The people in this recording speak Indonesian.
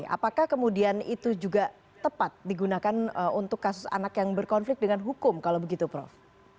apakah kemudian itu juga tepat digunakan untuk kasus anak yang berkonflik dengan hukum kalau begitu prof